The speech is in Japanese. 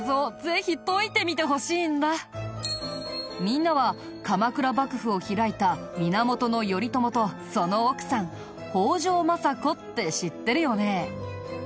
みんなは鎌倉幕府を開いた源頼朝とその奥さん北条政子って知ってるよね？